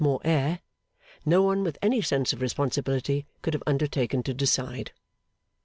more air; no one with any sense of responsibility could have undertaken to decide.